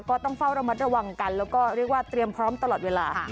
ก็ต้องเฝ้าระมัดระวังกันแล้วก็เรียกว่าเตรียมพร้อมตลอดเวลา